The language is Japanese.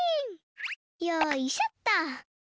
よいしょっと。